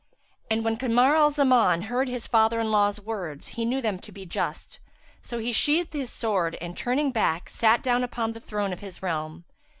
'[FN#363] And when Kamar al Zaman heard his father in law's words, he knew them to be just; so he sheathed his sword and turning back, sat down upon the throne of his realm.